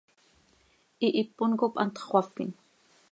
Hihipon cop hantx xöafin.